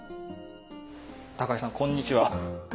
高井さんこんにちは。